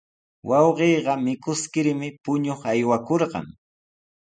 Wawqiiqa mikuskirmi puñuq aywakurqan.